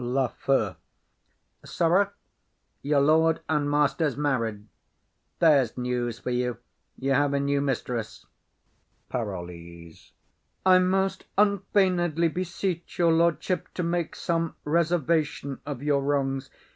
LAFEW. Sirrah, your lord and master's married; there's news for you; you have a new mistress. PAROLLES. I most unfeignedly beseech your lordship to make some reservation of your wrongs.